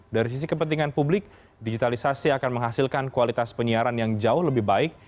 dari sisi kepentingan publik digitalisasi akan menghasilkan kualitas penyiaran yang jauh lebih baik